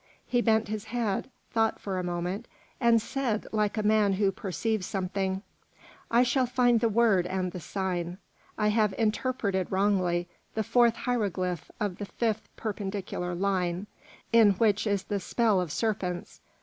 He bent his head, thought for a moment, and said, like a man who perceives something: "I shall find the word and the sign. I have interpreted wrongly the fourth hieroglyph of the fifth perpendicular line in which is the spell of serpents.